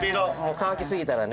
乾きすぎたらね。